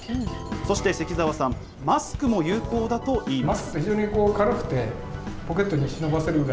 そして関澤さん、マスクも有効だといいます。